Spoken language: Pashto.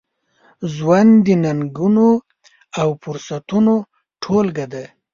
ژوند د ننګونو، او فرصتونو ټولګه ده.